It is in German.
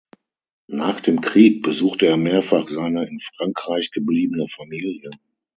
Nach dem Krieg besuchte er mehrfach seine in Frankreich gebliebene Familie.